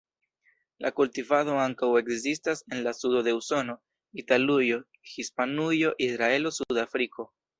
La kultivado ankaŭ ekzistas en la sudo de Usono, Italujo, Hispanujo, Israelo, Sudafriko.